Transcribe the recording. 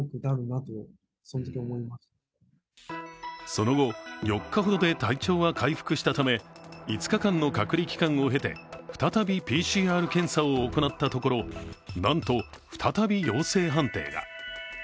その後、４日ほどで体調は回復したため５日間の隔離期間を経て再びＰＣＲ検査を行ったところなんと再び陽性判定が。